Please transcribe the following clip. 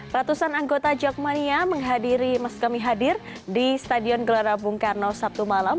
ratusan anggota jokmania menghadiri mas kami hadir di stadion gelora bung karno sabtu malam